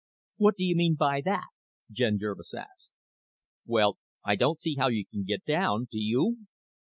"What do you mean by that?" Jen Jervis asked. "Well, I don't see how you can get down. Do you?"